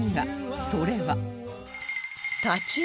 それは